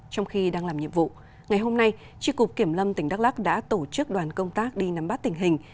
trong khi đang làm nhiệm vụ ngày hôm nay tri cục kiểm lâm tỉnh đắk lắc đã tổ chức đoàn công tác đi nắm bắt tình hình